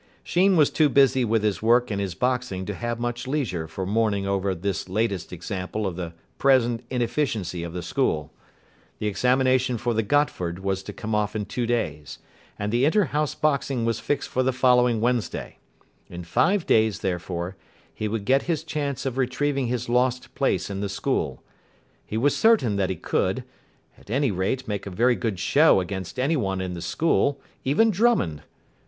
Sheen was too busy with his work and his boxing to have much leisure for mourning over this latest example of the present inefficiency of the school. The examination for the Gotford was to come off in two days, and the inter house boxing was fixed for the following Wednesday. In five days, therefore, he would get his chance of retrieving his lost place in the school. He was certain that he could, at any rate make a very good show against anyone in the school, even Drummond.